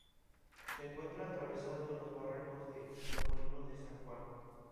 Se encuentra atravesado por los barrancos de Los Molinos y de San Juan.